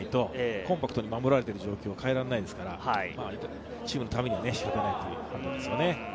コンパクトに守られている状況は変えられないですから、チームのためにしょうがないという判断でしょうか。